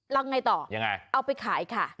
แล้วอะไรต่อเอาไปขายค่ะ